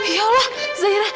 ya allah zaira